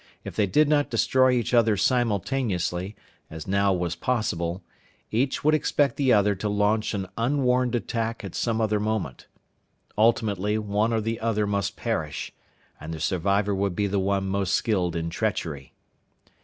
If they did not destroy each other simultaneously, as now was possible, each would expect the other to launch an unwarned attack at some other moment. Ultimately one or the other must perish, and the survivor would be the one most skilled in treachery.